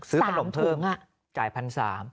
ซื้อขนมเทอมจ่าย๑๓๐๐บาท